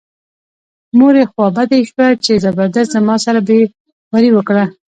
مور یې خوا بډۍ شوه چې زبردست زما سره بې وري وکړه.